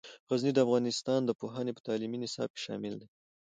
غزني د افغانستان د پوهنې په تعلیمي نصاب کې شامل دی.